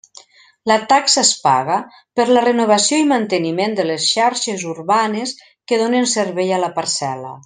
La taxa es paga per la renovació i manteniment de les xarxes urbanes que donen servei a la parcel·la.